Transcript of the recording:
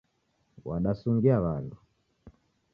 Wadasungia w'andu.